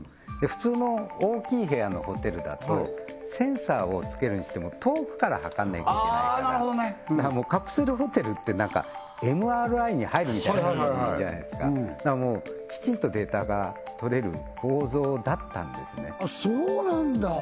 普通の大きい部屋のホテルだとセンサーを付けるにしても遠くから測んなきゃいけないからもうカプセルホテルってＭＲＩに入るみたいな感じじゃないですかだからもうきちんとデータがとれる構造だったんですねそうなんだ！